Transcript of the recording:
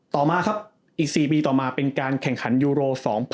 ต่อมาครับอีก๔ปีต่อมาเป็นการแข่งขันยูโร๒๐